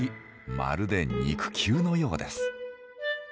まるで肉球のようです。